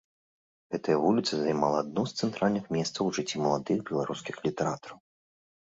Гэтая вуліца займала адно з цэнтральных месцаў у жыцці маладых беларускіх літаратараў.